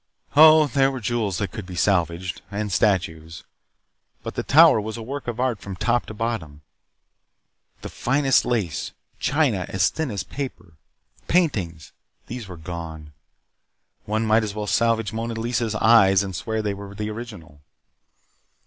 Oh, there were jewels that could be salvaged. And statues. But the Tower was a work of art from top to bottom. The finest lace. China as thin as paper. Paintings. These were gone. One might as well salvage Mona Lisa's eyes and swear that they were the original.